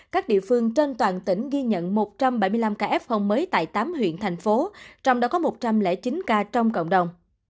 các địa phương trên toàn tỉnh ghi nhận một trăm bảy mươi năm ca f mới tại tám huyện thành phố trong đó có một trăm linh chín ca trong cộng đồng